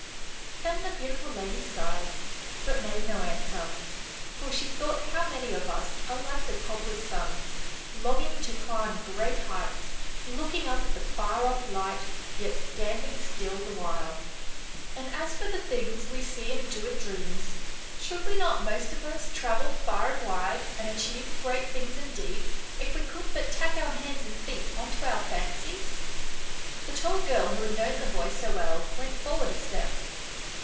Then the beautiful lady sighed but made no answer, for she thought how many of us are like the cobbler's son, longing to climb great heights, looking up at the far off light, yet standing still the while ; and as for the things we see and do in dreams, should we not H 98 ANYHOW STORIES. [STORY most of us travel far and wide and achieve great things indeed, if we could but tack our hands and feet on to our fancies ? The tall girl who had known the boy so well, went forward a step.